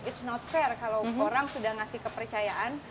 it's not fair kalau orang sudah ngasih kepercayaan